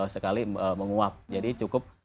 sekali menguap jadi cukup